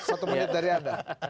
satu menit dari anda